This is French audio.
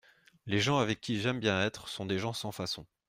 Les gens avec qui j’aime bien être sont des gens sans façons.